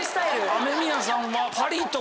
雨宮さんは。